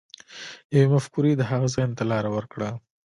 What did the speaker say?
يوې مفکورې د هغه ذهن ته لار وکړه.